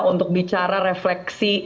untuk bicara refleksi